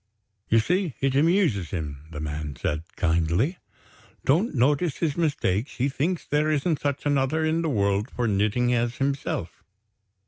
"You see it amuses him," the man said, kindly. "Don't notice his mistakes, he thinks there isn't such another in the world for knitting as himself.